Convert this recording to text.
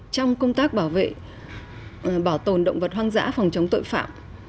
trong công tác bảo vệ bảo tồn động vật hoang dã phòng chống tội phạm